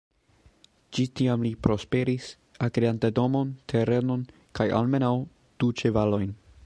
Ĝis tiam li prosperis, akirante domon, terenon kaj almenaŭ du ĉevalojn.